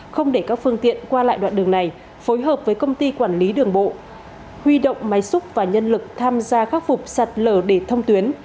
không để các phương tiện qua lại đoạn đường này phối hợp với công ty quản lý đường bộ huy động máy xúc và nhân lực tham gia khắc phục sạt lở để thông tuyến